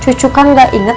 cucu kan gak inget